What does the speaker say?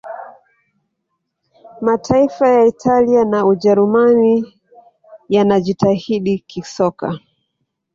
mataifa ya italia na ujerumani yanajitahidi kisoka